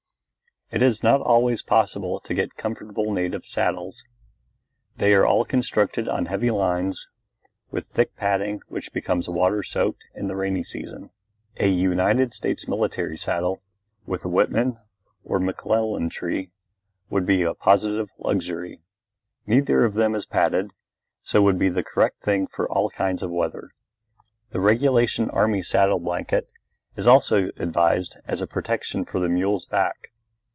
It is not always possible to get comfortable native saddles. They are all constructed on heavy lines with thick padding which becomes water soaked in the rainy season. A United States military saddle, with Whitman or McClellan tree, would be a positive luxury. Neither of them is padded, so would be the correct thing for all kinds of weather. The regulation army saddle blanket is also advised as a protection for the mule's back.